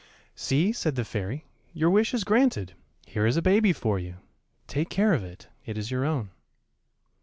"See," said the fairy, "your wish is granted. Here is a baby for you. Take care of it; it is your own."